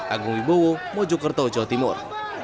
agung wibowo mojokerto jawa timur